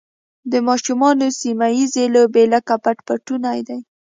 د ماشومانو سیمه ییزې لوبې لکه پټ پټونی دي.